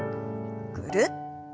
ぐるっと。